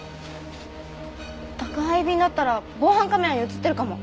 宅配便だったら防犯カメラに映ってるかも。